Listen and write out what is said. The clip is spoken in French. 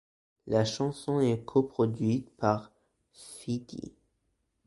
La chanson est co-produite par Fithy.